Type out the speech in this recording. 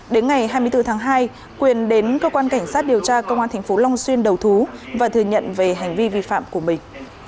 đến ngày hai mươi bốn tháng hai quyền đến cơ quan cảnh sát điều tra công an tp long xuyên đầu thú và thừa nhận về hành vi vi phạm của mình